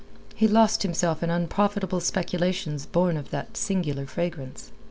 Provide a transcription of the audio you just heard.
He lost himself in unprofitable speculations born of that singular fragrance.